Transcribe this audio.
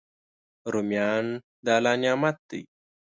رومیان د الله نعمت دی